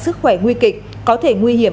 sức khỏe nguy kịch có thể nguy hiểm